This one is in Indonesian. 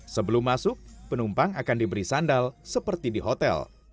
sebelum masuk penumpang akan diberi sandal seperti di hotel